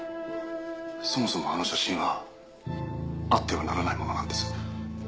「そもそもあの写真はあってはならないものなんです」